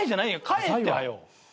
買えってはよう。